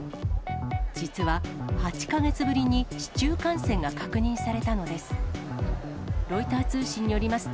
実は８か月ぶりに市中感染が確認されたのです。